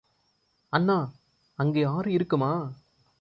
அண்ணா, அங்கே ஆறு இருக்குமா?